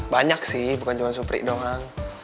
banyak sih bukan cuma supri doang